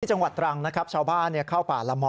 จังหวัดตรังนะครับชาวบ้านเข้าป่าละม้อ